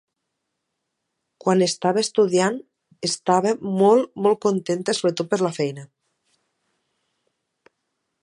Quan estava estudiant estava molt, molt contenta, sobretot per la feina;